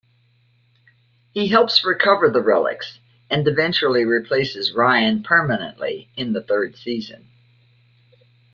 He helps recover the relics and eventually replaces Ryan permanently in the third season.